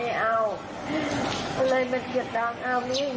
ไม่เอาไม่เอา